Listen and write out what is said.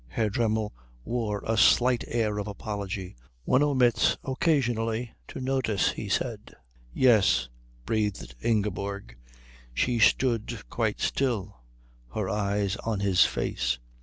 Herr Dremmel wore a slight air of apology. "One omits, occasionally, to notice," he said. "Yes," breathed Ingeborg. She stood quite still, her eyes on his face.